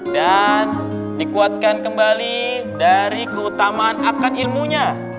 nah sekarang anak anak yang aneh